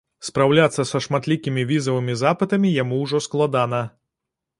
Спраўляцца са шматлікімі візавымі запытамі яму ўжо складана.